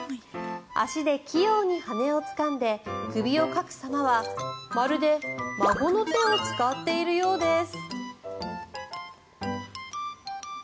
足で器用に羽根をつかんで首をかく様はまるで、孫の手を使っているようです。